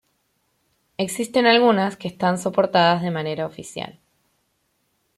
Existen algunas que están soportadas de manera oficial.